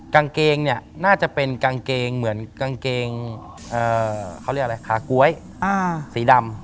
กางเกงเนี่ยน่าจะเป็นกางเกงเหมือนกางเกงเขาเรียกอะไรคาก๊วยสีดำ